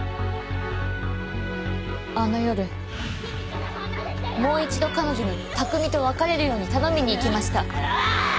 あの夜もう一度彼女に拓海と別れるように頼みに行きました。